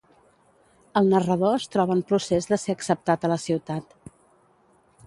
El narrador es troba en procés de ser acceptat a la ciutat.